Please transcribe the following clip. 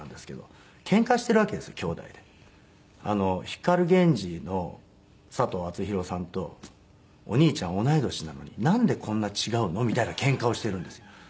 光ＧＥＮＪＩの佐藤アツヒロさんとお兄ちゃん同い年なのになんでこんな違うの？みたいなけんかをしてるんですよ。